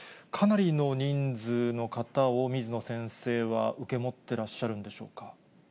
かなりの人数の方を、水野先生は受け持ってらっしゃるんでしょうか。